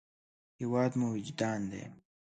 هېواد مو وجدان دی